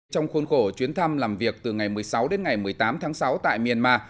trong khuôn khổ chuyến thăm làm việc từ ngày một mươi sáu đến ngày một mươi tám tháng sáu tại myanmar